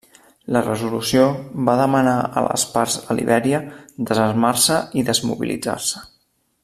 La resolució va demanar a les parts a Libèria desarmar-se i desmobilitzar-se.